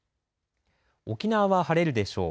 沖縄は晴れるでしょう。